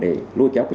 để lưu kéo